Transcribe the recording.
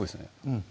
うん